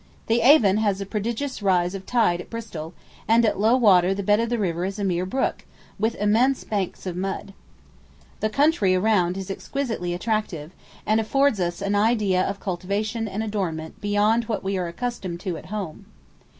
The Avon has a prodigious rise of tide at Bristol, and at low water the bed of the river is a mere brook, with immense banks of mud. The country all around is exquisitely attractive, and affords us an idea of cultivation and adornment beyond what we are accustomed to at home.